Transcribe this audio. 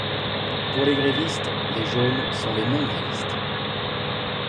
Pour les grévistes, les jaunes sont les non-grévistes.